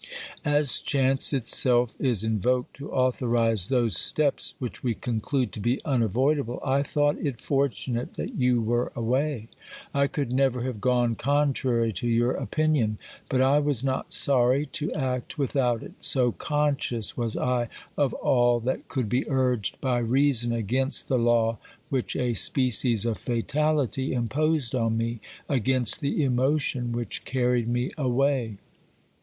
As chance itself is invoked to authorise those steps which we conclude to be unavoidable, I thought it fortunate that you were away. I could never have gone contrary to your opinion, but I was not sorry to act without it, so conscious was I of all that could be urged by reason against the law which a species of fatality imposed on me, against the emotion which carried me away.